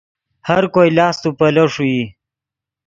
ہر کوئی لاست و پیلو ݰوئی